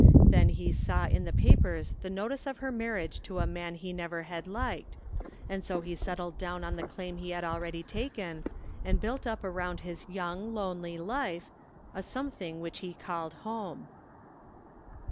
Then he saw in the papers the notice of her marriage to a man he never had liked, and so he settled down on the claim he had already taken, and built up around his young, lonely life a something which he called home.